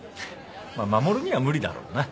まあ護には無理だろうな。